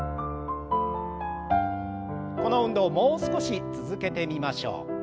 この運動をもう少し続けてみましょう。